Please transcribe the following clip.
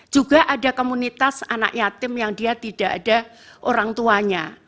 juga ada komunitas anak yatim yang dia tidak ada orang tuanya